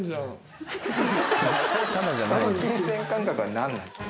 その金銭感覚は何なの？